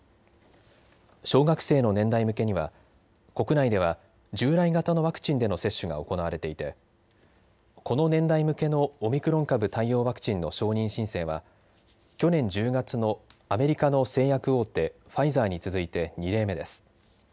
小学生の年代向けには国内では従来型のワクチンでの接種が行われていてこの年代向けのオミクロン株対応ワクチンの承認申請は去年１０月のアメリカの製薬大手、ファイザーに続いて２例目です。